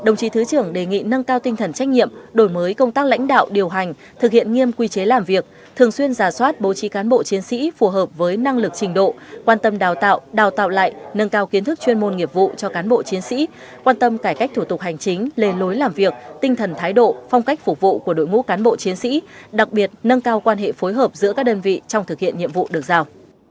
nhiệm đổi mới công tác lãnh đạo điều hành thực hiện nghiêm quy chế làm việc thường xuyên ra soát bố trí cán bộ chiến sĩ phù hợp với năng lực trình độ quan tâm đào tạo đào tạo lại nâng cao kiến thức chuyên môn nghiệp vụ cho cán bộ chiến sĩ quan tâm cải cách thủ tục hành chính lề lối làm việc tinh thần thái độ phong cách phục vụ của đội ngũ cán bộ chiến sĩ đặc biệt nâng cao quan hệ phối hợp giữa các đơn vị trong thực hiện nhiệm vụ được giao